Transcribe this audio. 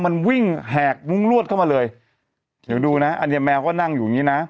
มันวิ่งแหกมุ้งลวดเข้ามาเลยเดี๋ยวดูนะอันเนี้ยแมวก็นั่งอยู่อย่างงี้นะ